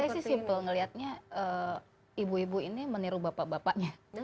kalau saya sih simple melihatnya ibu ibu ini meniru bapak bapaknya